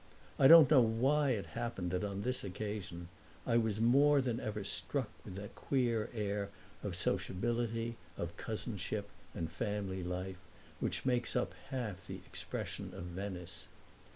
I don't know why it happened that on this occasion I was more than ever struck with that queer air of sociability, of cousinship and family life, which makes up half the expression of Venice.